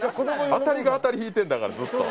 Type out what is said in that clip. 当たりが当たり引いてるんだからずっと。